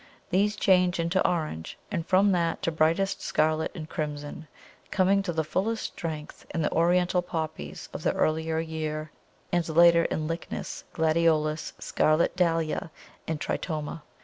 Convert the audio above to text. These change into orange, and from that to brightest scarlet and crimson, coming to the fullest strength in the Oriental Poppies of the earlier year, and later in Lychnis, Gladiolus, Scarlet Dahlia, and Tritoma.